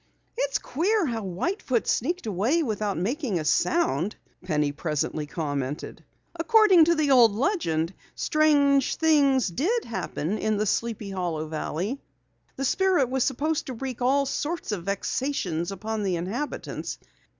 "It's queer how White Foot sneaked away without making a sound," Penny presently commented. "According to the old legend strange things did happen in the Sleepy Hollow valley. The Spirit was supposed to wreak all sorts of vexations upon the inhabitants.